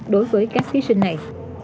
đối với các thí sinh này